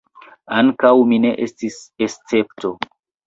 Ankaŭ mi ne estis escepto.